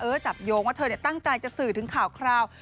เออจับโยงว่าเธอเนี่ยตั้งใจจะสื่อถึงข่าว